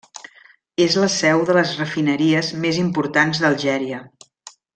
És la seu de les refineries més importants d’Algèria.